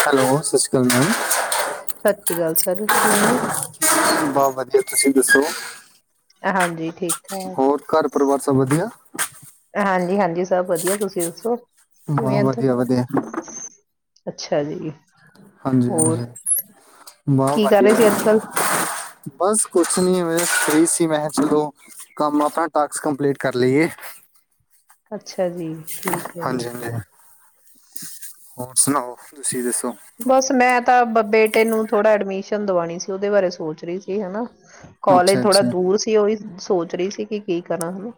Hello ਸਤਿ ਸ਼੍ਰੀ ma'am. ਸਤਿ ਸ਼੍ਰੀ ਅਕਾਲ ਸਰ ਕਿਵੇਂ ਹੋ? ਬਹੁਤ ਵਧੀਆ ਤੁਸੀਂ ਦੱਸੋ। ਹਾਂਜੀ, ਠੀਕ ਠਾਕ ਹੋਰ ਘਰ ਪਰਿਵਾਰ ਸਭ ਵਧੀਆ ਹਾਂਜੀ ਹਾਂਜੀ। ਜੀ ਸਭ ਵਧੀਆ ਤੁਸੀਂ ਦੱਸੋ। ਕਿਵੇਂ ਹਾਂ ਇੱਧਰ? ਵਧੀਆ-ਵਧੀਆ। ਅੱਛਾ ਜੀ। ਹੋਰ ਹਾਂਜੀ-ਹਾਂਜੀ, ਬਹੁਤ ਕੀ ਕਰ ਰਹੇ ਸੀ ਅੱਜ-ਕੱਲ? ਵਧੀਆ ਬਸ ਕੁਛ ਨੀ ਇਵੇ ਫ੍ਰੀ ਸੀ ਮੈਂ ਕਿਹਾ ਚਲੋ ਕੰਮ ਆਪਾ ਟਾਸਕ ਕੰਪਲੀਟ ਕਰ ਲਈਏ। ਅੱਛਾ ਜੀ ਠੀਕ ਐ। ਹਾਂਜੀ ਹਾਂਜੀ ਹੋਰ ਸੁਣਾਓ ਤੁਸੀਂ ਦੱਸੋ? ਬਸ ਮੈਂ ਤਾਂ ਬੇਟੇ ਨੂੰ ਥੋੜਾ ਐਡਮਿਸ਼ਨ ਦਵਾਉਣੀ ਸੀ ਉਹਦੇ ਬਾਰੇ ਸੋਚ ਰਹੀ ਸੀ ਹਨਾ। ਕੋਲਜ ਅੱਛਾ ਥੋੜਾ ਅੱਛਾ ਦੂਰ ਸੀ ਉਹ ਸੋਚ ਰਹੀ ਸੀ ਕਿ ਕੀ ਕਰਾਂ ਹਨਾ।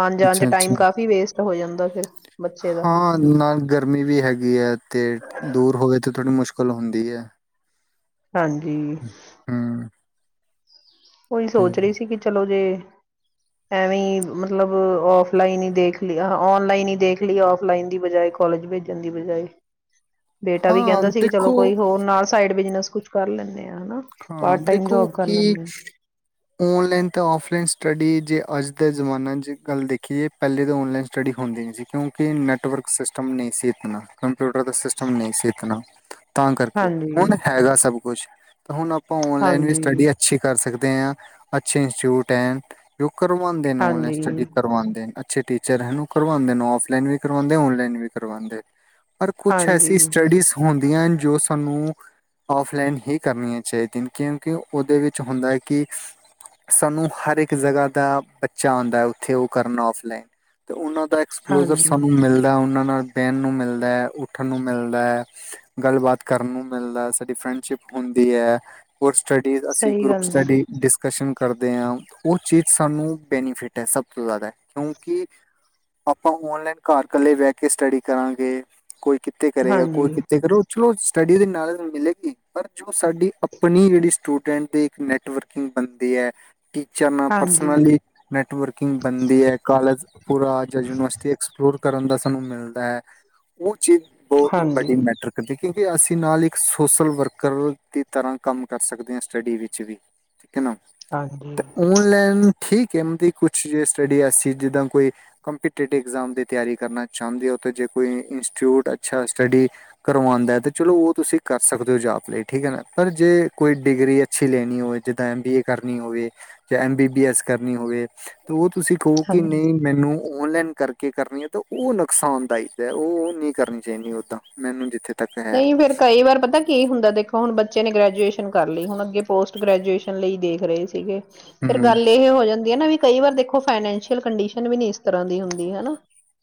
ਆਣ-ਜਾਣ ਚ ਟਾਈਮ ਅੱਛਾ-ਅੱਛਾ, ਕਾਫ਼ੀ ਵੇਸਟ ਹੋ ਜਾਂਦਾ ਫਿਰ ਬੱਚੇ ਦਾ। ਹਾਂ ਨਾਲ ਗਰਮੀ ਵੀ ਹੈਗੀ ਐ ਤੇ ਦੂਰ ਹੋਵੇ ਤੇ ਥੋੜੀ ਮੁਸ਼ ਕਲ ਹੁੰਦੀ ਐ। ਹਾਂਜੀ। ਹਮ ਉਹੀ ਤੇ ਸੋਚ ਰਹੀ ਸੀ ਕਿ ਚਲੋ ਤੇ ਐਵੀ ਮਤਲਬ ਆਫਲਾਈਨ ਹੀ ਦੇਖ ਲਈ ਆਨਲਾਈਨ ਹੀ ਦੇਖ ਲਈ ਆਫਲਾਈਨ ਦੀ ਬਜਾਏ ਕੋਲਜ ਭੇਜਣ ਦੀ ਬਜਾਏ। ਬੇਟਾ ਵੀ ਹਾਂ ਕਹਿੰਦਾ ਸੀ ਕਿ ਚਲੋ ਦੇਖੋ ਕੋਈ ਹੋਰ ਨਾਲ ਸਾਈਡ ਬਿਜਨਸ ਕੁੱਛ ਕਰ ਲੈਂਨੇ ਹਾਂ। ਹਨਾ ਹਾਂ ਪਾਰਟ ਟਾਈਮ ਦੇਖੋ ਜੋਬ ਕਰ ਕਿ ਲੈਂਨੇ ਆ। ਔਨਲਾਈਨ ਅਤੇ ਆਫਲਾਈਨ ਸਟੱਡੀ ਜੇ ਅੱਜ ਦੇ ਜ਼ਮਾਨੇ ਚ ਗੱਲ ਦੇਖੀਏ ਪਹਿਲੇ ਤਾਂ ਔਨਲਾਈਨ ਸਟੱਡੀ ਹੁੰਦੀ ਨਹੀਂ ਸੀ। ਕਿਉਂਕਿ ਨੈੱਟਵਰਕ ਸਿਸਟਮ ਨਹੀਂ ਸੀ ਇਤਨਾ, ਕੰਪਿਊਟਰ ਦਾ ਸਿਸਟਮ ਨਹੀਂ ਸੀ ਇਤਨਾ। ਤਾਂ ਕਰਕੇ ਹਾਂਜੀ ਹੁਣ ਹੈਗਾ ਸਭ ਕੁਛ ਹੁਣ ਆਪ ਆਪਾਂ ਔਨਲਾਈਨ ਵੀ ਹਾਂਜੀ ਸਟੱਡੀ ਅੱਛੀ ਕਰ ਸਕ ਦੇ ਆ ਅੱਛੇ ਇੰਸਟੀਚਿਊਟ ਹੈ ਕਰਵਾਉਂਦੇ ਨੇ ਉਹਨ ਹਾਂਜੀ ਸਟੱਡੀ ਕਰਵਾਉਂਦੇ ਨੇ ਅਛੇ ਟੀਚਰ ਹੈਨ ਉਹ ਕਰਵਾਦੇ ਓਫਲਾਈਨ ਵੀ ਕਰਵਾਦੇ ਓਨ ਲਾਈਨ ਵੀ ਕਰਵਾਦੇ। ਪਰ ਕੁਛ ਐਸੀ ਹਾਂਜੀ ਸਟੱਡੀਸ ਹੋਂ ਜੋ ਸਾਨੂੰ ਆਫਲਾਈਨ ਹੀ ਕਰਨੀਆਂ ਚਾਹੀਦੀਆਂ ਕਿਉਂਕਿ ਉਹਦੇ ਵਿੱਚ ਹੁੰਦਾ ਕਿ ਸਾਨੂੰ ਹਰ ਇੱਕ ਜਗ੍ਹਾ ਦਾ ਬੱਚਾ ਆਉਂਦਾ ਉੱਥੇ ਉਹ ਕਰਨਾ ਓਫ ਲਾਈਨ ਤੇ ਉਹਨਾਂ ਦਾ ਐਕਸਪਲੋਜਰ ਹਾਂਜੀ ਸਾਨੂੰ ਮਿਲਦਾ ਉਹਨਾਂ ਨਾਲ ਬਹਿਣ ਨੂੰ ਮਿਲਦਾ, ਉੱਠਣ ਨੂੰ ਮਿਲਦਾ, ਗੱਲਬਾਤ ਕਰਨ ਨੂੰ ਮਿਲਦਾ ਸਾਡੀ ਫਰੈਂਡਸ਼ਿਪ ਹੁੰਦੀ ਹੈ ਹੋ ਸਟੱਡੀਜ਼ ਅਸੀਂ ਸਹੀ ਗਰੁਪ ਗੱਲ ਹੈ ਸਟੱਡੀ ਡਿਸ ਕਸ਼ਨ ਕਰਦੇ ਹਾਂ ਉਹ ਚੀਜ਼ ਸਾਨੂੰ ਬੈਨੀਫਿਟ ਹੈ ਸਭ ਤੋਂ ਜਾਦਾ ਕਿਉਂਕਿ ਆਪਾਂ ਔਨਲਾਈਨ ਘਰ ਕੱਲੇ ਬਹਿ ਕੇ ਸਟੱਡੀ ਕਰਾਂਗੇ ਕੋਈ ਕਿੱਥੇ ਕਰੇਗਾ ਹਾਂਜੀ ਕੋਈ ਕਿੱਥੇ ਕਰੋ ਚਲੋ ਸਟੱਡੀ ਦੀ ਨਾਲਲੇਜ ਮਿਲੇਗੀ ਪਰ ਜੋ ਸਾਡੀ ਆਪਣੀ ਜਿਹੜੀ ਸਟੂਡੈਂਟ ਦੇ ਇੱਕ ਨੈਟਵਰਕਿੰਗ ਬੰਦੇ ਹੈ ਟੀਚਰ ਨਾਲ ਹਾਂਜੀ ਪਰਸਨਲੀ ਨੈਟਵਰਕਿੰਗ ਬਣਦੀ ਹੈ ਕਾਲਜ ਪੂਰਾ ਜਾਂ ਯੂਨੀਵਰਸਿਟੀ ਐਕਸਪਲੋਰ ਕਰਨ ਦਾ ਸਾਨੂੰ ਮਿਲਦਾ ਹੈ ਉਹ ਚੀਜ਼ ਬਹੁਤ ਹਾਂਜੀ ਵੱਡੀ ਮੈਟਰ ਕਰਦੀ ਕਿਉਂਕਿ ਅਸੀਂ ਨਾਲ ਇੱਕ ਸੋਸ਼ਲ ਵਰਕ ਕਰ ਦੀ ਤਰ੍ਹਾਂ ਕੰਮ ਕਰ ਸਕਦੇ ਹਾਂ ਸਟੱਡੀ ਵਿੱਚ ਵੀ ਹਾਂਜੀ ਤੇ ਓਨਲਾੈਨ ਠੀਕ ਹੈ ਕੁਛ ਸਟੱਡੀ ਐਸੀ ਜਿੱਦਾਂ ਕੋਈ ਕੰਪੀਟਿਵਾਮ ਦੀ ਤਿਆਰੀ ਕਰਨਾ ਚਾਹੁੰਦੀ ਹੋ ਜੇ ਕੋਈ ਇੰਸਚਿਊਟ ਅੱਛਾ ਸਟੱਡੀ ਕਰਵਾਉਂਦਾ ਹੈ ਚਲੋ ਉਹ ਤੁਸੀਂ ਕਰ ਸਕਦੇ ਹੋ ਜਾ ਠੀਕ ਹੈ ਨਾ ਪਰ ਜੇ ਕੋਈ ਡਿਗਰੀ ਅੱਛੀ ਲੈਣੀ ਹੋਵੇ ਜਿੱਦਾਂ ਐਮ ਬੀ ਏ ਕਰਨੀ ਹੋਵੇ ਜਾਂ ਐਮ ਬੀ ਬੀ ਐਸ ਕਰਨੀ ਹੋਵੇ ਉਹ ਤੁਸੀਂ ਕਹੋ ਕਿ ਹਾਂਜੀ ਨਹੀਂ ਮੈਨੂੰ ਔਨਲਾਈਨ ਕਰਕੇ ਕਰਨੀ ਹੈ ਤਾਂ ਉਹ ਨੁਕਸਾਨਦਾਇਕ ਹੈ ਉਹ ਨਹੀਂ ਕਰਨੀ ਚਾਹੀਦੀ ਓਦਾਂ ਮੈਨੂੰ ਜਿੱਥੇ ਤੱਕ ਹੈ ਨਹੀਂ ਫੇਰ ਕਈ ਵਾਰ ਪਤਾ ਕੀ ਹੁੰਦਾ ਦੇਖੋ ਹੁਣ ਬੱਚੇ ਨੇ ਗ੍ਰੈਜੂਏਸ਼ਨ ਕਰ ਲਈ ਹੁਣ ਅੱਗੇ ਪੋਸਟ ਗ੍ਰੈਜੂਏਸ਼ਨ ਲਈ ਦੇਖ ਰਹੇ ਸੀਗੇ ਫੇਿਰ ਹਮ ਗੱਲ ਇਹ ਹੋ ਜਾਂਦੀ ਹੈ ਨਾ ਵੀ ਕਈ ਵਾਰ ਦੇਖੋ ਫਾਈਨੈਂਸ਼ੀਅਲ ਕੰਡੀਸ਼ਨ ਵੀ ਨੀ ਇਸ ਤਰ੍ਹਾਂ ਦੀ ਹੁੰਦੀ ਹਨਾ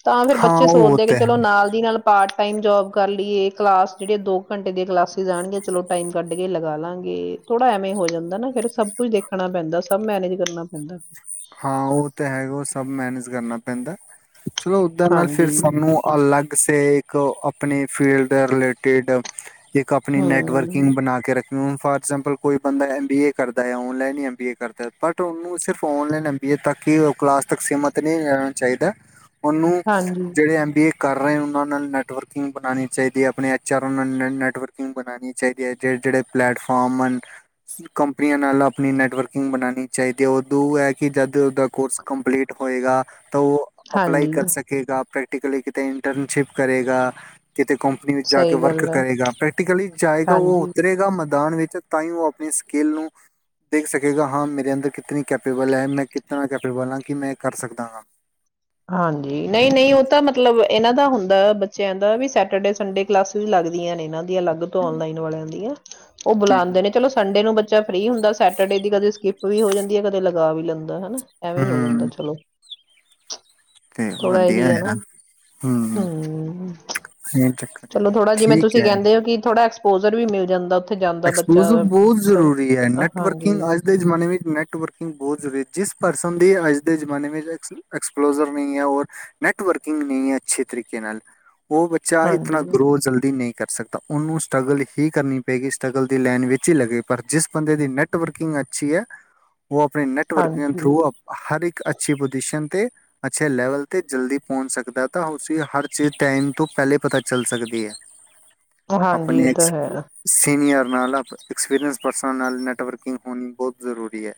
ਤਾਂ ਫੇਿਰ ਹਾਂ ਬੱਚੇ ਉਹ ਸੋਚਦੇ ਕਿ ਤਾਂ ਹੈ ਚਲੋ ਨਾਲ ਦੀ ਨਾਲ ਪਾਠ ਟਾਈਮ ਜੋਬ ਕਰ ਲਈਏ ਕਲਾਸ ਜਿਹੜੀਆਂ ਦੋ ਘੰਟੇ ਦੀਆਂ ਕਲਾਸਿਸ ਜਾਣਗੀਆਂ ਚਲੋ ਟਾਈਮ ਕੱਢ ਕੇ ਲਗਾ ਲਾਂਗੇ ਥੋੜਾ ਐਵੇਂ ਹੋ ਜਾਂਦਾ ਨਾ ਫਿਰ ਸਭ ਕੁਝ ਦੇਖਣਾ ਪੈਂਦਾ ਸਭ ਮੈਨੇਜ ਕਰਨਾ ਪੈਂਦਾ ਹਾਂ ਉਹ ਤੇ ਹੈਗਾ ਉਹ ਸਭ ਮੈਨੇਜ ਕਰਨਾ ਪੈਂਦਾ ਚਲੋ ਉਓਧਰ ਨਾਲ ਫੇਿਰ ਹਾਂਜੀ ਸਾਨੂੰ ਅਲੱਗ ਸ ਕੋ ਆਪਣੀ ਫੀਲਡ ਦੇ ਰਿਲੇਟਿਡ ਇੱਕ ਆਪਣੀ ਨੈਟਵਰਕਿੰਗ ਹਮ ਬਣਾ ਕੇ ਰੱਖ ਫਾਰ ਐਗਜਾਮਪਲ ਕੋਈ ਬੰਦਾ ਐਮ ਬੀ ਏ ਕਰਦਾ ਹੈ ਔਨਲਾਈਨ ਹੀ ਐਮ ਬੀ ਏ ਕਰਦਾ ਹੈ ਬਟ ਉਹਨੂੰ ਸਿਰਫ ਔਨਲਾਈਨ ਬੀਏ ਤੱਕ ਕਲਾਸ ਤੱਕ ਸੀਮਤ ਨਹੀਂ ਰਹਿਣਾ ਚਾਹੀਦਾ ਉਹਨੂੰ ਹਾਂਜੀ ਜਿਹੜੇ ਐਮ ਬੀ ਏ ਕਰ ਰਹੇ ਉਹਨਾਂ ਨਾਲ ਨੈੱਟਵਰਕਿੰਗ ਬਣਾਉਣੀ ਚਾਹੀਦੀ ਹੈ ਆਪਣੇ ਐੱਚ ਆਰ ਓ ਨਾਲ ਨ ਨੈੱਟਵਰਕਿੰਗ ਬਣਾਉਣੀ ਚਾਹੀਦੀ ਹੈ ਜਿਹੜੇ ਜਿਹੜੇ ਪਲੈਟਫਾਰਮ ਹਨ ਕੰਪਨੀਆਂ ਨਾਲ ਆਪਣੀ ਨੈੱਟਵਰਕਿੰਗ ਬਣਾਉਣੀ ਚਾਹੀਦੀ ਹੈ ਉਦੋਂ ਹੈ ਕਿ ਜਦ ਉਹਦਾ ਕੋਰਸ ਕੰਪਲੀਟ ਹੋਏਗਾ ਤਾਂ ਉਹ ਅਪਲਾਈ ਹਾਂਜੀ ਕਰ ਸਕੇਗਾ ਪ੍ਰੈਕ ਪ੍ਰੈਕਲੀ ਕਿਤੇ ਇੰਟਰਨਸ਼ਿਪ ਕਰੇਗਾ ਕਿਤੇ ਕੰਪਨੀ ਵਿੱਚ ਜਾ ਕੇ ਸਹੀ ਵਰਕ ਗੱਲ ਹੈ ਕਰੇਗਾ ਪ੍ਰੈਕਟੀਕਲੀ ਜਾਏਗਾ ਉਹ ਹਾਂਜੀ ਉਤਰੇਗਾ ਮੈਦਾਨ ਵਿੱਚ ਤਾਂ ਹੀ ਉਹ ਆਪਣੀ ਸਕਿੱਲ ਨੂੰ ਦੇਖ ਸਕੇਗਾ ਹਾਂ ਮੇਰੇ ਅੰਦਰ ਕਿਤਨੀ ਕੈਪੇਬਲ ਬਲ ਮੈਂ ਕਿੱਥਾਂ ਕ ਫਿਰ ਬੋਲਾਂ ਕਿ ਮੈਂ ਕਰ ਸਕਦਾ ਗਾਂ ਹਾਂਜੀ ਨਹੀਂ ਨਹੀਂ ਉਹ ਤਾਂ ਮਤਲਬ ਇਹਨਾਂ ਦਾ ਹੁੰਦਾ ਬੱਚਿਆਂ ਦਾ ਵੀ ਸੈਟਰਡੇ ਸੰਡੇ ਕਲਾਸਿਸ ਲੱਗਦੀਆਂ ਨੇ ਇਹਨਾਂ ਦੇ ਦੀਆਂ ਅਲੱਗ ਤੋਂ ਨਲਾਈਨ ਵਾਲਿਆਂ ਦੀਆਂ ਉਹ ਹੂੰ ਬੁਲਾਉਂਦੇ ਨੇ ਚਲੋ ਸੰਡੇ ਨੂੰ ਬੱਚਾ ਫ੍ਰਰੀ ਹੁੰਦਾ ਸੈਟਰਡੇ ਦੀ ਕਦੇ ਸਕਿੱਪ ਵੀ ਹੋ ਜਾਂਦੀ ਹੈ ਕਦੇ ਲਗਾ ਵੀ ਲੈਂਦਾ ਹਨਾ ਐਵੇਂ ਹੋ ਜਾਂਦਾ ਹੂੰ ਚਲੋ [unintelligible] ਤੇ ਥੋੜਾ ਵਧੀਆ ਇਹੀ ਨਾ ਹੈ ਹੂੰ ਹਮ ਇਹ ਚ ਚਲੋ ਥੋੜਾ ਜਿ ਤੁਸੀਂ ਕਿੰਦੇ ਹੋ ਕਿ ਐਕਸਪਲੋਜਰ ਵੀ ਮਿਲ ਜਾਂਦਾ ਜਾਂਦਾ ਬੱਚਾ ਐਕਸਪਲੋਵ ਬਹੁਤ ਸਭ ਜ਼ਰੂਰੀ ਹੈ ਨੈਟਵਰਕਿੰਗ ਹਾਂਜੀ ਅੱਜ ਦੇ ਜਮਾਨੇ ਵਿੱਚ ਨੈਟਵਰਕਿੰਗ ਬਹੁਤ ਜ਼ਰੂਰੀ ਜਿਸ ਪਰਸਨ ਅੱਜ ਦੇ ਜਮਾਨੇ ਵਿੱਚ ਐਕਸਪਲੋਜਰ ਨਹੀਂ ਹੈ ਔਰ ਨੈਟਵਰਕਿੰਗ ਨਹੀਂ ਹੈ ਅਛੇ ਤਰੀਕੇ ਨਾਲ ਉਹ ਬੱਚਾ ਇਤਨਾ ਹਾਂਜੀ ਗਰੋ ਜਲਦੀ ਨਹੀਂ ਕਰ ਸਕਦਾ ਉਹਨੂੰ ਸਟਰਗਲ ਹੀ ਕਰਨੀ ਪਏਗੀ ਟਕਲ ਦੀ ਲਾਈਨ ਵਿੱਚ ਹੀ ਲੱਗੇਗੇ ਪਰ ਜਿਸ ਬੰਦੇ ਦੀ ਨੈੱਟਵਰਕਿੰਗ ਅੱਛੀ ਹੈ ਉਹ ਆਪਣੇ ਨੇੈਟਵਰਕਗ ਹਾਂਜੀ ਥਰੂ ਹਰ ਇੱਕ ਇੱਕ ਅੱਛੀ ਪੁਜੀਸ਼ਨ ਤੇਤੇ ਅੱਛੇ ਲੈਵਲ ਤੇ ਜਲਦੀ ਪਹੁੰਚ ਸਕਦਾ ਤਾਂ ਉਸ ਹਰ ਚੀਜ਼ ਟਾਈਮ ਤੋਂ ਪਹਿਲੇ ਪਤਾ ਚੱਲ ਸਕਦੀ ਹੈ ਹਾਂਜੀ ਆਪਣੇ ਇਹ ਤਾਂ ਐਕਸ ਹੈ [inaudible] ਨਾਲ ਨੈਟਵਰਕਿੰਗ ਹੋਣੀ ਬਤ ਜ਼ਰੂਰੀ ਹੈ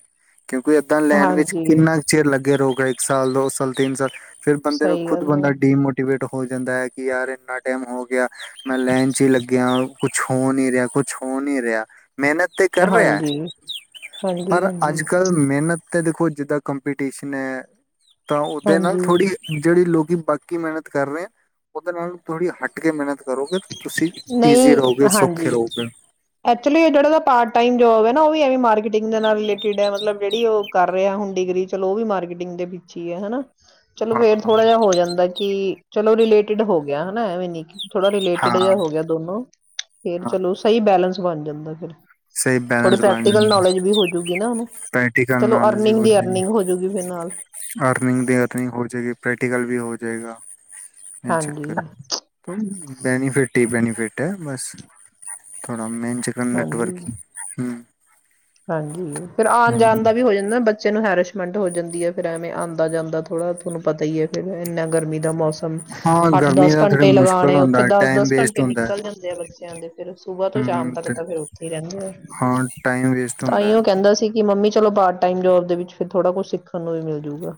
ਕਿਉਂਕਿ ਏਦਾਂ ਲਾਈਨ ਵਿੱਚ ਹਾਂਜੀ ਕਿੰਨਾ ਕੁ ਚਿਰ ਲੱਗੇ ਰੋ ਇੱਕ ਸਾਲ ਦੋ ਸਾਲ ਤਿੰਨ ਸਾਲ ਫੇਰ ਬੰਦੇ ਨੂੰ ਸਹੀ ਖੁਦ ਗੱਲ ਬੰਦਾ ਹੈ ਡੀਮੋਟੀਵੇਟ ਹੋ ਜਾਂਦਾ ਹੈ ਕਿ ਯਾਰ ਇੰਨਾ ਟਾਈਮ ਹੋ ਗਿਆ ਮੈਂ ਲਾਈਨ ਚ ਹੀ ਲੱਗਿਆ ਕੁਛ ਹੋ ਨ ਰਿਹਾ ਕੁਛ ਕੁਛ ਹੋ ਨੀ ਰਿਹਾ ਮਿਹਨਤ ਤਾਂ ਕਰ ਰਿਹਾ ਹਾਂਜੀ ਹਾਂਜੀ ਪਰ ਹਾਂਜੀ ਅੱਜ ਕੱਲ੍ਹ ਮਿਹਨਤ ਤਾਂ ਦੇਖੋ ਜਿੱਦਾਂ ਕੰ ਕੰਪੀਟੀਸ਼ਨ ਹੈ ਤਾਂ ਉਹਦੇ ਨਾਲ ਹਾਂਜੀ ਥੋੜ੍ਹੀ ਜਿਹੜੀ ਲੋਕ ਕਿ ਬਾਕੀ ਮਿਹਨਤ ਕਰ ਰਹੇ ਹ ਉਹਦੇ ਨਾਲ ਥੋੜੀ ਹਟ ਕੇ ਮਿਹਨਤ ਕਰੋਗੇ ਤੁਸੀਂ ਈਜ਼ੀ ਨਹੀਂ ਰਹੋਗੇ ਸੌਖੇ ਹਾਂਜੀ ਰਹੋਗੇ ਐਕਚੁਲੀ ਜਿਹੜਾ ਪਾਰਟ ਟਾਈਮ ਜੋਬ ਹੈ ਨਾ ਉਹ ਵੀ ਐਵੇਂ ਮਾਰਕੀਟਿੰਗ ਦੇ ਨਾਲ ਰਿਲੇਟਿਡ ਹੈ ਮਤਲਬ ਜਿਹੜੀ ਉਹ ਕਰ ਰਿਹਾ ਹੁਣ ਡਿਗਰੀ ਚਲੋ ਉਹ ਵੀ ਮਾਰਕੀਟਿੰਗ ਦੇ ਪ ਹੀ ਹੈ ਹਨਾ ਚਲੋ ਫੇਰ ਹਾਂ, ਥੋੜਾ ਜਿਹਾ ਹੋ ਜਾਂਦਾ ਕਿ ਚਲੋ ਰਿਲੇਟਿਡ ਹੋ ਗਿਆ ਹਨਾ ਐਵੇਂ ਨੀ ਥੋੜਾ ਰਿਲੇ ਜਿਹਾ ਹਾਂ, ਹੋ ਗਿਆ ਦੋਨੋ ਫੇਰ ਹਾਂ ਚਲੋ ਸਹੀ ਬੈਲੈਂਸ ਸੁ ਬਣ ਜਾਂਦਾ ਫਿਰ ਸਹੀ ਥੋੜ੍ਹੀ ਬੈਲੈਂਸ ਬਣ ਪ੍ਰੈਕਟੀਕਲ ਜਾਂਦਾ ਨੋਲੇਜ ਵੀ ਹੋਜੂਗੀ ਨਾ ਉਹਨੂੰ ਪ੍ਰੈਕਟੀਕਲ ਚਲੋ ਨੌਲੇਜ ਵੀ ਅਰਨਿੰਗ ਹੋ ਦੀ ਜਾਏਗੀ, ਅਰਨਿੰਗ ਹੋਜੂਗੀ ਫਿਰ ਨਾਲ ਅਰਨਿੰਗ ਦੀ ਅਰਨਿੰਗ ਹੋ ਜਾਏਗੀ ਪ੍ਰੈਕਟੀਕਲ ਵੀ ਹੋ ਜਾਏਗਾ ਹਾਂਜੀ ਚੱਕ ਬੈਨੀਫਿਟ ਹੀ ਬੈਨੀਫਿਟ ਹੈ ਬਸ ਥੋੜ੍ਹਾ ਮੇਨ ਚਿਕਨ ਹਾਂਜੀ ਨੈਟਵਰਕ ਹ ਹਾਂਜੀ ਫਿਰ ਆਉਣ ਜਾਣ ਦਾ ਵੀ ਹੋ ਜਾਂਦਾ ਬ ਨੂੰ ਹੈਰਸ਼ਮੈਂਟ ਹੋ ਜਾਂਦੀ ਹੈ ਫੇਿਰ ਐਵੇਂ ਆਉਦਾ ਜਾਂਦਾ ਥੋੜਾ ਤੁਹਾਨੂੰ ਪਤਾ ਹੀ ਹੈ ਫੇਿਰ ਇੰਨਾ ਗਰਮੀ ਦਾ ਮੌਸਮ ਹਾਂ ਅੱਠ ਗਰਮੀ ਦਸ ਦਾ ਥੋੜਾ ਘੰਟੇ ਮੁਸ਼ਕਿਲ ਲਗਾਣੇ ਉੱਥੇ ਹੁੰਦਾ ਹੈ, ਦਸ ਟਾਈਮ ਦਸ ਵੇਸਟ ਘੰਟੇ ਹੁੰਦਾ ਨਿਕਲ ਜਾਂਦੇ ਆ ਬ ਦੇ ਫਿਰ ਸੁਬਾਹ ਤੋਂ ਸ਼ਾਮ ਹੂੰ ਤੱਕ ਤੇ ਤਾਂ ਫਿਰ ਉੱਥੇ ਹੀ ਰਹਿੰਦੇ ਆ ਹਾਂ ਟਾਈਮ ਵੇਸਟ [inaudible] ਹੁੰਦਾ ਹੈ। ਤਾਂਹੀਓ ਕਹਿੰਦਾ ਸੀ ਕਿ ਮੰਮੀ ਚਲੋ ਪਾਰਟ ਟਾਈਮ ਜੋਬ ਦੇ ਵਿੱਚ ਫਿਰ ਥੋੜਾ ਕੁਛ ਸਿੱਖਣ ਨੂੰ ਵੀ ਮਿਲਜੂਗਾ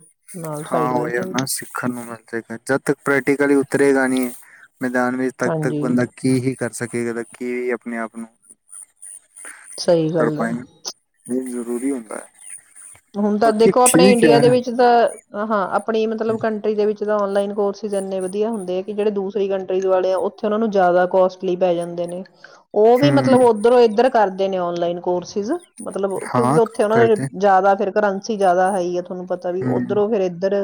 ਹਾਂ ਉਹ ਯਾਰ ਨਾ ਸਿੱਖਣ ਨੂੰ ਮਿਲ ਜਾਏਗਾ ਜਦ ਤੱਕ ਪ੍ਰੈਕਟੀਕਲੀ ਉਤਰੇਗਾ ਨਹੀਂੀ ਮੈਦਾਨ ਵਿੱਚ ਤੱਕ ਤੱਕ ਹਾਂਜੀ ਬੰਦਾ ਕੀ ਹੀ ਕਰਦਾ ਸਕੇਗਾ ਤਾਂ ਕੀ ਵੀ ਆਪਣੇ ਆਪ ਨੂੰ ਸਹੀ ਕਰ ਗੱਲ ਆ ਪਾਏ ਜ਼ਰੂਰੀ ਹੁੰਦਾ ਹੈ ਹੁਣ ਤਾਂ ਬਾਕੀ ਦੇਖੋ ਆਪਣੇ ਠੀਕ ਇੰਡੀਆ ਹੈ ਦੇ ਵਿੱਚ ਤਾਂ ਹ ਹਾਂ ਆਪਣੀ ਮਤਲਬ ਕੰਟਰੀ ਦੇ ਵਿੱਚ ਆਨਲਾਈਨ ਕੋਰਸਿਸ ਇਨੇ ਵਧੀਆ ਹੁੰਦੇ ਆ ਕਿ ਜਿਹੜੇ ਦੂਸਰੀ ਕੰਟਰੀ ਵਾਲੇ ਆ ਉੱਥੇ ਉਹ ਨੂੰ ਜ਼ਿਆਦਾ ਕੋਸਟਲੀ ਪੈ ਜਾਂਦੇ ਨੇ ਉਹ ਵੀ ਹਮ ਮਤਲਬ ਉੱਧਰੋਂ ਇੱਧਰ ਕਰਦੇ ਨੇ ਔਨਲਾਈਨ ਕੋਰਸਿਸ ਮਤਲਬ ਕਿਉਂਕਿ ਹਾਂ ਉੱਥੇ ਉਹਨਾਂ ਨੇ ਕਰਦੇ ਜ਼ਿਆਦਾ ਫੇਰ ਕਰੰਸੀ ਜ਼ਿਆਦਾ ਹੈ ਹੀ ਤੁਹਾਨੂੰ ਪਤਾ ਵੀ ਹਮ ਉੱਧਰੋਂ ਫਿਰ ਇੱਧਰ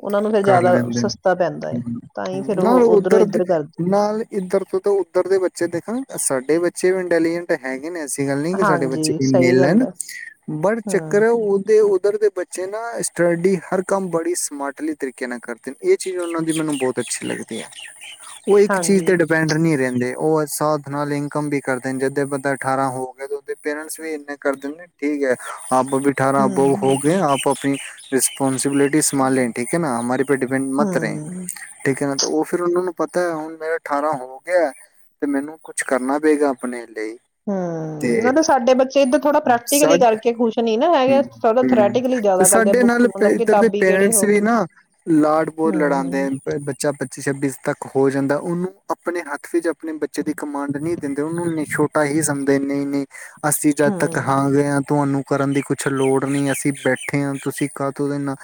ਉਹਨਾਂ ਨੂੰ ਫਿਰ ਕਰ ਜ਼ਿਆਦਾ ਲੈਂਦੇ ਸਸਤਾ ਪੈਂਦਾ ਹੈ ਤਾਂ ਹੀ ਨੇ ਫਿਰ ਉਹ ਨਾਲ ਉੱਧਰੋਂ ਉੱਧਰ ਦੇ ਇੱਧਰ ਕਰਦੇ ਨਾਲ ਇੱਧਰ ਤੋਂ ਤਾਂ ਉੱਧਰ ਦੇ ਬੱਚੇ ਦੇਖਣ ਸਾਡੇ ਬੱਚੇ ਵੀ ਇੰਟੈਲੀਜੈਂਟ ਹੈਗੀ ਨਹੀਂ ਸੀ ਗੱਲ ਨਹੀਂ ਕਿ ਸਾਡੇ ਹਾਂਜੀ ਬੱਚੇ ਸਹੀ ਗੱਲ ਲਣ ਹੈ ਬਟ ਹਮ ਚੱਕਰ ਉਹਦੇ ਉੱਧਰ ਦੇ ਬੱਚੇ ਨਾ ਟਰੇਡੀ ਹਰ ਕੰਮ ਬੜੀ ਸਮਾਰਟਲੀ ਤਰੀਕੇ ਨਾਲ ਕਰਦੇ ਨੇ ਇਹ ਚੀਜ਼ ਉਹਨਾਂ ਦੀ ਮੈਨੂੰ ਬਹੁਤ ਅੱਛੀ ਲੱਗਦੀ ਹੈ। ਉਹ ਇੱਕ ਚੀਜ਼ ਹਾਂਜੀ ਤੇ ਡਿਪੈਂਡ ਨਹੀਂ ਰਹਿੰਦੇ ਉਹ ਹਿਸਾਬ ਨਾਲ ਇਨਕਮ ਵੀ ਕਰਦੇ ਜਿੱਥੇ ਬੰਦਾ ਅਠਾਰਾਂ ਹੋ ਗਿਆ ਉਹਦੇ ਪੇਰੈਂਟਸ ਵੀ ਇੰਨੇ ਕਰਦੇ ਠੀਕ ਹੈ ਆਪ ਵੀ ਠਾਰਾਂ ਹਮ ਹੋ ਗਏ ਆਪ ਆਪਣੀ ਰਿਸ ਰਿਸਪੋਂਸਿਬਿਲਟੀ ਸੰਮਾਲ ਲੈਂਨ ਹੈ ਨਾ ਹਮਾਰੀ ਪਰ ਡਿਪੈਂਡ ਮਤ ਰੇ ਹਮ ਠੀਕ ਹੈ ਨਾ ਉਹ ਫਿਰ ਉਹ ਉਹਨਾਂ ਨੂੰ ਪਤਾ ਹੁਣ ਮੇਰਾ ਅਠਾਰਾਂ ਹੋ ਗਿਆ ਤੇ ਮੈਨੂੰ ਕੁੱਛ ਕਰਨਾ ਪਏਗਾ, ਆਪਣੇ ਲਈ ਹੂੰ ਤੇ ਮਤਲਬ ਸਾਡੇ ਬੱਚੇ ਇੱਧਰ ਥੋੜਾ ਸਾ ਪ੍ਰੈਕਟੀਕਲੀ ਕਰਕੇ ਖੁਸ਼ ਨੀ ਨਾ ਹੈਗੇ, ਥੋੜਾ ਹੂੰ ਥਰੈਟੀਕਲੀ ਤੇ ਜ਼ਿਆਦਾ ਕਰਦੇ ਸਾਡੇ ਬੁੱਕਸ ਨਾਲ ਨੂੰ ਪ- ਮਤਲਬ ਇੱਧਰ ਦੇ ਕਿਤਾਬੀ ਕੀੜੇ ਹੋ ਪੇਰੈਂਟਸ ਵੀ ਗਏ ਨਾ ਲਾਡ ਬੋਤ ਲੜਾਂਦੇ ਹਮ ਆ ਬੱਚਾ ਬ ਪੱਚੀ ਛੱਬੀ ਤੱਕ ਹੋ ਜਾਂਦਾ ਉਹਨੂੰ ਆਪਣੇ ਹੱਥ ਵਿੱਚ ਆਪਣੇ ਬੱਚੇ ਦੀ ਕਮਾਂਡ ਨਹੀਂ ਦਿੰਦੇ, ਉਹਨੂੰ ਛੋਟਾ ਹੀ ਸਮਦੇ ਨਈ ਨਈ ਅਸੀਂ ਜਦ ਤੱਕ ਹਮ ਹਾਂ ਗਏ ਹਾਂ ਤੁਹਾਨੂੰ ਕਰਨ ਦੀ ਕੁਛ ਲੋੜ ਨਹੀਂ ਅਸੀਂ ਬੈਠੇ ਹਾਂ, ਤੁਸੀਂ ਕਾਹਤੋਂ ਉਹਦੇ ਨਾਲ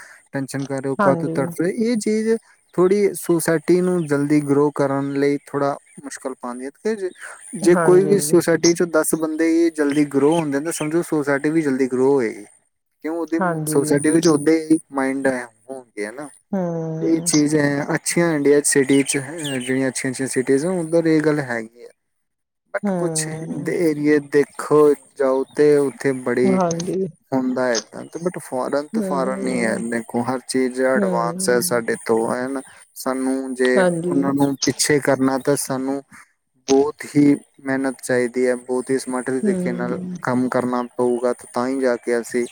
ਦਰਸ਼ਨ ਕਰੋ ਕਾਤੋਂ ਹਾਂਜੀ ਤੜਫ ਦਿਓਂ ਇਹ ਚੀਜ਼ ਥੋੜ੍ਹੀ ਸੁਸਾਇਟੀ ਨੂੰ ਜਲਦੀ ਗਰੋ ਕਰਨ ਲਈ ਥੋੜਾ ਮੁਸ਼ਕਲ ਪਾਂਦੀ ਐ ਕਿ ਜੀ ਜੇ ਕੋਈ ਹਾਂਜੀ ਵੀ ਸੁਸਾਇਟੀ ਚੋ ਦੱਸ ਬੰਦੇ ਜਲਦੀ ਗਰੋ ਹੁੰਦੇ ਸਮਝੋ ਸੋਸਾਇਟੀ ਵੀ ਜਲਦੀ ਗਰੋ ਹੋਏਗੀ। ਕਿਉਂ ਉਹਦੀ ਹਾਂਜੀ ਸੋਸਾਇਟੀ ਵਿੱਚ ਓਦੇ ਹੀ ਮਾਈੰਡ ਹੈ। ਹੂੰ, ਗਿਆ ਨਾ ਤੇ ਹਮ ਚੀਜ਼ ਹੈਂ ਅੱਛ ਅੱਛੀਆਂ ਇੰਡੀਆ ਸਿਟੀ ਚ ਜਿਹੜੀਆਂ ਅੱਛੀਆਂ- ਅੱਛੀਆਂ ਸਿਟੀਜ ਉੱਧਰ ਇਹ ਗੱਲ ਹੈਗੀ ਆ। ਬਟ ਕੁਛ ਹਮ ਦੇ ਏਰੀਏ ਦੇਖੋ ਜਾਓ ਤੇ ਇੱਥੇ ਬੜੇ ਹਾਂਜੀ ਹੁੰਦਾ ਐ। ਅੱਧ ਪਟ ਫੋਰਨ ਤੇ ਫੋਰਨ ਹੀ ਹੈ ਹਮ ਦੇਖੋ ਹ ਚੀਜ਼ ਐਡਵਾਂਸ ਹੈ ਹਮ ਸਾਡੇ ਤੋਂ ਹੈ ਨਾ। ਸਾਨੂੰ ਜੇ ਹਾਂਜੀ ਉਹਨਾਂ ਨੂੰ ਪਿੱਛੇ ਕਰਨਾ ਤਾਂ ਸਾਨੂੰ ਬਹੁਤ ਹੀ ਮਿਹਨਤ ਚਾਹੀਦੀ ਹੈ। ਬਹੁਤ ਹੀ ਸਮਾਟ ਰੀ ਤਰੀਕੇ ਨਾਲ ਹਮ ਕੰਮ ਕਰਨਾ ਹੋਊਗਾ ਤਾਂ ਹੀ ਜਾ ਕੇ ਅਸੀਂ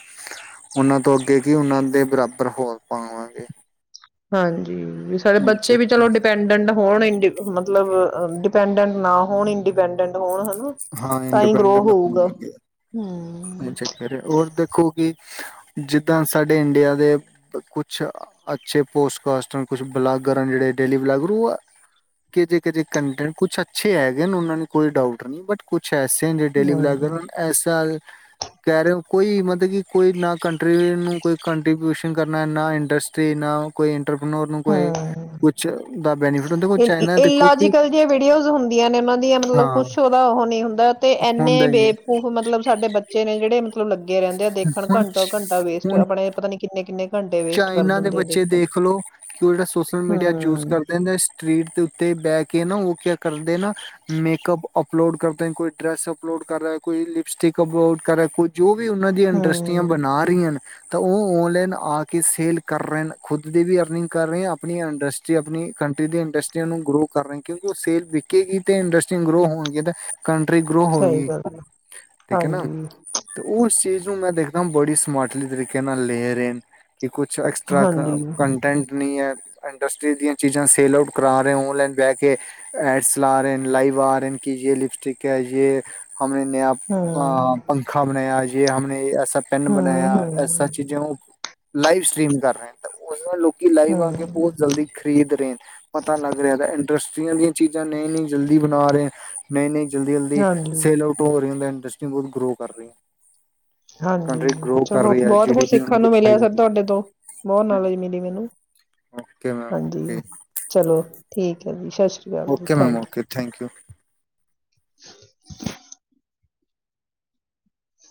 ਉਹਨਾਂ ਤੋਂ ਅੱਗੇ ਕੀ ਉਹਨਾਂ ਦੇ ਬਰਾਬਰ ਹੋ ਪਾਂਵਾਂਗੇ ਹਾਂਜੀ, ਵੀ ਸਾਡੇ ਬੱਚੇ ਵੀ ਚਲੋ ਡਿਪੈਂਡੈਂਟ ਹੋਣ ਇ ਮਤਲਬ ਡਿਪੈਂਡੈਂਟ ਨਾ ਹੋਣ ਇੰਡੀਪੈਂਡੈਂਟ ਹੋਣ ਹਨਾ ਹਾਂ ਤਾਂ ਹੀ ਗਰੋ ਇੰਡੀਪੈਂਡੈਂਟ ਹੋਊਗਾ ਹਮ ਹੋਣ ਚੱਕਰ ਹੈ ਔਰ ਦੇਖੋ ਕਿ ਜਿੱਦਾਂ ਸਾਡੇ ਇੰਡੀਆ ਦੇ ਕੁਛ ਅੱਛੇ ਪੋਸਟ ਕਸਟ ਕੁਛ ਬਲਾਗਰ ਜਿਹੜੇ ਡੇਲੀ ਬਲਾਗਰ ਉਹ ਕਿਹ ਜਿਹੇ ਕਿਹ ਜਿਹੇ ਕੰਟੈਂਟ ਕੁਛ ਅੱਛੇ ਹੈਗੇ ਨੇ ਉਹਨਾਂ ਨੂੰ ਕੋਈ ਡਾਊਟ ਨਹੀਂ ਬਟ ਕੁਛ ਪੈਸੇ ਜਿਹੜੇ ਡੇਲੀ ਹਮ ਵਲਾਗਰ ਇਸਸ ਕਹਿ ਰਹੇ ਹੋ ਕੋਈ ਮਤਲਬ ਕਿ ਕੋਈ ਕੰਟਰੀਿ ਕੋਈ ਕੰਟ੍ਰੀਬਿਊਸ਼ਨ ਕਰਨਾ ਨਾ ਨਾ ਇੰਡਸਟਰੀ ਨਾ ਕੋਈ ਇੰਟਰਪਨੋਰ ਨੂੰ ਕੋਈ ਹ ਕੁਛ ਦਾ ਬੈਨੀਫਿਟ ਹੁੰਦਾ ਕੋਈ ਚਾਈਨਾ ਦੇਖੋ ਕਿ ਇਲੋਜੀਕਲ ਜਆਂ ਵੀਡੀਓਜ਼ ਹੁੰਦੀਆਂ ਨੇ ਉਹਨਾਂ ਦੀਆਂ ਮਤਲਬ ਹਾਂ ਕੁਛ ਉਹਦਾ ਉਹ ਨਹੀਂ ਹੁੰਦਾ ਤੇ ਇੰਨੇ ਹੁੰਦਾ ਹੀ ਏ ਬੇਵਕੂਫ ਮਤਲਬ ਸਾਡੇ ਬੱਚੇ ਨੇ ਜਿਹੜੇ ਮਤਲਬ ਲੱਗੇ ਅੱਗੇ ਰਹਿੰਦੇ ਆ ਦੇਖਣ ਹੁਣ ਘੰਟਾ ਘੰਟਾ ਵੇਸਟ ਹੁਣ ਆਪਣੇ ਪਤਾ ਨੀੰਨੇ ਕਿੰਨੇ ਘੰਟੇ ਵੇਸਟ ਕਰ ਚਾਈਨਾ ਦੇ ਦਿੰਦੇ ਆ ਬੱਚੇ ਦੇਖਣ ਚ ਦੇਖਲੋ ਕਿ ਉਹ ਜਿਹੜਾ ਸੋਸ਼ਲ ਮੀਡੀਆ ਯੂਜ ਹਮ ਕਰਦੇ ਹਦਾ ਸਟਰੀਟ ਦੇ ਉੱਤੇ ਬਹਿ ਕੇ ਨਾ ਕਿਆ ਕਰਦੇ ਨਾ ਮੇਕਅਪ ਅਪਲੋਡ ਕਰਦੇ ਕੋਈ ਡਰੈਸ ਅਪਲੋਡ ਕਰ ਰਿਹਾ ਕੋਈ ਲਿਪਸਟਿਕ ਅਪਲੋਡ ਕਰ ਰਿਹਾ ਕੋਈ ਜੋ ਵੀ ਉਹਨਾਂ ਦੀਆਂ ਇੰਡਸਟਰੀਆਂ ਹਮ ਬਣਾ ਰਹੀਆਂ ਨੇ ਤਾਂ ਉਹ ਔਨਲਾਈਨ ਆ ਕਿ ਸੇਲ ਕਰ ਰਹੇ ਖੁਦ ਦੀ ਵੀ ਅਰਨਿੰਗ ਕਰ ਰਹੇ ਆਪਣੀ ਇੰਡਸਟਰੀ ਆਪਣੀ ਕੰਟਰੀ ਦੀ ਇੰਡਸਟਰੀਆਂ ਨੂੰ ਗਰੋ ਕਰ ਰਹੇ ਕਿਉਂਕਿ ਉਹ ਸੇਲ ਵਿਕੇਗੀ ਤੇ ਇੰਡਸਟਰੀਆਂ ਗਰੋ ਹੋਣਗ ਤੇ ਕੰਟਰੀ ਗਰੋ ਹੋ ਸਹੀ ਗਈ ਗੱਲ ਹੈ ਠੀਕ ਹੈ ਨਾ ਹਾਂਜੀ ਤੇ ਉਸ ਚੀਜ਼ ਇਸ ਨੂੰ ਮੈਂ ਦੇਖਦਾ ਬੜੀ ਸਮਾਰਟਲੀ ਤਰੀਕੇ ਨਾਲ ਲੈ ਰਹੇ ਨੇ ਕਿ ਕੁਛ ਐਕਸਟਰਾ ਹਾਂਜੀ ਕੰਟੈਂਟ ਇੰਡਸਟ ਦੀ ਚੀਜ਼ਾਂੇ ਕਰ ਰ ਲ ਰ ਲ ਆ ਰਹੇ ਕਿ ਲਿਪਸਟਿਕ ਹੈ ਹਮਣੇ ਨਯ ਅ ਹਮ ਪੰਖਾ ਬਣਾਇਆ ਜ ਹਮਣੇ ਾ ਪੈਨ ਬਣਾਇਆ ਹਮ ਐਸਾ ਹਮ ਚੀਜ਼ੇ ਲਾਈਵ ਸਟ੍ਰਰੀਮ ਕਰ ਰਹੇ ਉਸ ਲੋਕ ਕਿ ਲਾਈਵ ਆ ਹਮ ਕੇ ਬਹੁਤ ਜਲਦੀ ਖਰੀਦ ਰਹੇ ਪਤਾ ਲੱਗ ਰਿਹਾ ਚਾਂ ਬ ਜਲਦੀ ਜਲਦੀ ਹਾਂਜੀ ਸੇਲ ਆਊਟ ਹੋ ਰਹੇ ਹੁੰਦੇ ਇੰਡਸਟਰੀ ਬਹੁਤ ਗਰੋ ਕਰ ਰਹੀ ਹੈ ਹਾਂਜੀ ਕੰਟਰੀ ਗਰੋ ਕਰ ਚਲੋ ਰਹੀ ਜੀ ਬਹੁਤ ਡੀ ਕੁਛ ਪੀ ਉਹਨਾਂ ਸਿੱਖਣ ਦੀ ਨੂੰ ਹਾਈ ਮਿਲਿਆ ਤੁਹਾਡੇ ਤੋਂ ਬਹੁਤ ਨੌਜ ਮਿਲੀ ਮੈਨੂੰ ਓਕੇ ਮੈਮ ਹਾਂਜੀ ਓਕੇ ਚਲੋ ਠੀਕ ਹੈ ਜੀ ਸਤਿ ਸ਼੍ਰੀ ਅਕਾਲ ਜੀ okay thank you. Ma'am okay thank you [unintelligible]